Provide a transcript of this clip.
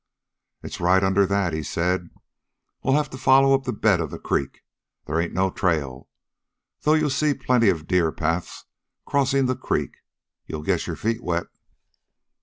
"It's right under that," he said. "We'll have to follow up the bed of the creek. They ain't no trail, though you'll see plenty of deer paths crossin' the creek. You'll get your feet wet."